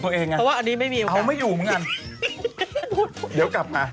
มันนั่งอยู่ตรงนี้มันไม่พูดสักคำ